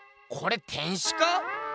これ天使か？